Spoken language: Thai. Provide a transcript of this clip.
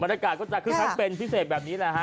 บรรยากาศก็จะขึ้นครับเป็นพิเศษแบบนี้นะฮะ